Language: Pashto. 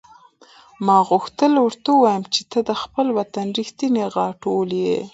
ما غوښتل ورته ووایم چې ته د خپل وطن رښتینې غاټول یې.